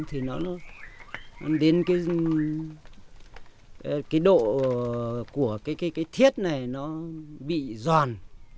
thì nó đến cái độ của cái thiết này nó bị giòn